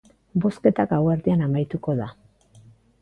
Bozketa gauerdian amaituko da.